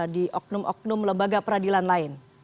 di oknum oknum lembaga peradilan lain